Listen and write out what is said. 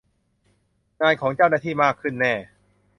งานของเจ้าหน้าที่มากขึ้นแน่